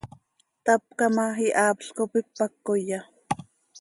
Tapca ma, ihaapl cop ipac coya.